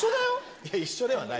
いや、一緒ではない。